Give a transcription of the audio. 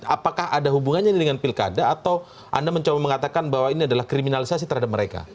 apakah ada hubungannya dengan pilkada atau anda mencoba mengatakan bahwa ini adalah kriminalisasi terhadap mereka